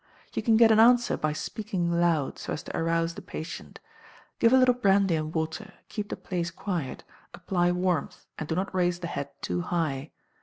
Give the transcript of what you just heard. You can get an answer by speaking loud, so as to arouse the patient. Give a little brandy and water, keep the place quiet, apply warmth, and do not raise the head too high.